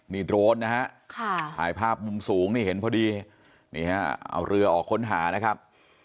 มีโดรนทายภาพมุมสูงนี่เห็นพอดีเอาเรือออกค้นหานะครับ